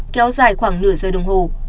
kéo dài khoảng nửa giờ đồng hồ